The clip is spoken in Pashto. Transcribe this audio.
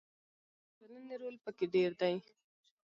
خو د ټولنې رول پکې ډیر دی.